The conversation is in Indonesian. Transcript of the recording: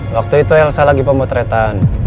waktu itu elsa lagi pemotretan